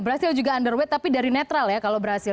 brazil juga underweight tapi dari netral ya kalau berhasil